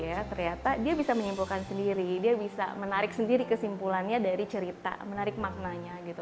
dia bisa oh iya ternyata dia bisa menyimpulkan sendiri dia bisa menarik sendiri kesimpulannya dari cerita menarik maknanya gitu